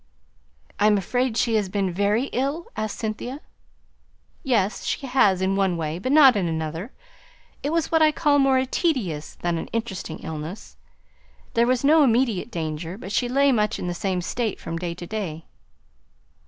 "I'm afraid she has been very ill?" asked Cynthia. "Yes, she has, in one way; but not in another. It was what I call more a tedious, than an interesting illness. There was no immediate danger, but she lay much in the same state from day to day."